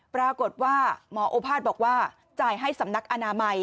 ปรากฏว่าหมอโอภาษบอกว่าจ่ายให้สำนักอนามัย